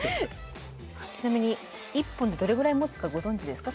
ちなみに１本でどれぐらいもつかご存じですか？